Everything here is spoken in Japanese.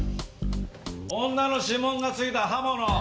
女の指紋が付いた刃物。